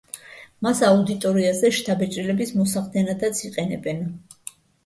მას აუდიტორიაზე შთაბეჭდილების მოსახდენადაც იყენებენ.